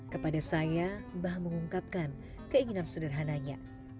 kepada saya mbah mengungkapkan keinginan sederhananya